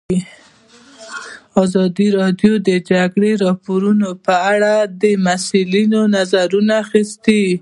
ازادي راډیو د د جګړې راپورونه په اړه د مسؤلینو نظرونه اخیستي.